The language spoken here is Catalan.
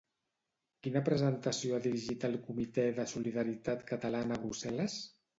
Quina presentació ha dirigit el Comitè de Solidaritat Catalana a Brussel·les?